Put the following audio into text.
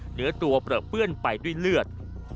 เหนือตัวเปลือเปื้อนไปด้วยเลือด